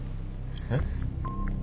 えっ？